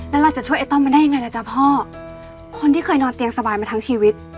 แล้วเราจะช่วยไอ้ต้อมมาได้ยังไงล่ะจ๊ะพ่อคนที่เคยนอนเตียงสบายมาทั้งชีวิต